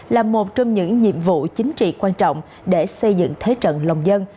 là một trong những nhiệm vụ chính trị quan trọng để xây dựng thế trận lòng dân